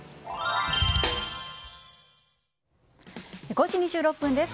５時２６分です。